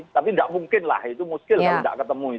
tapi tidak mungkin lah itu muskill kalau tidak ketemu